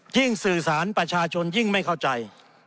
สื่อสารประชาชนยิ่งไม่เข้าใจ